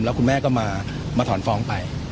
แล้วคุณแม่ก็มาถอนฟ้องไป